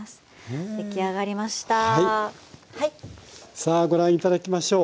さあご覧頂きましょう。